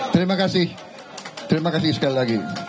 terima kasih terima kasih sekali lagi